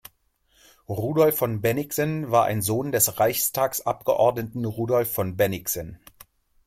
Rudolf von Bennigsen war ein Sohn des Reichstagsabgeordneten Rudolf von Bennigsen.